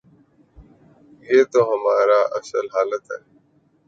یہ تو ہماری اصل حالت ہے۔